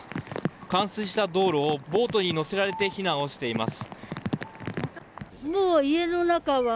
冠水した道路をボートに乗せられて避難をしています。